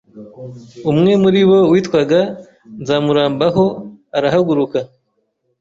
umwe muri bo witwaga Nzamurambaho arahaguruka,